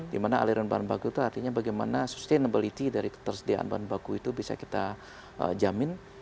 dimana aliran bahan baku itu artinya bagaimana sustainability dari ketersediaan bahan baku itu bisa kita jamin